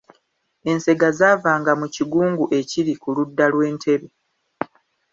Ensega zaavanga mu Kigungu ekiri ku ludda lw’e Entebbe.